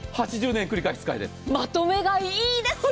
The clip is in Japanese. まとめ買いがいいですよ！